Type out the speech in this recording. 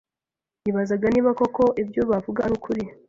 yibazaga niba koko ibyo bavuga ari ukuri,